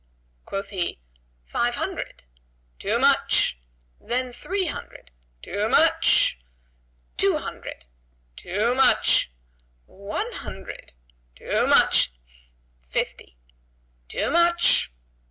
Quoth he, "Five hundred." "Too much!" "Then three hundred." "Too much!" "Two hundred." "Too much!" "One hundred." "Too much!" "Fifty." "Too much!"